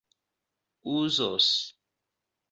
uzos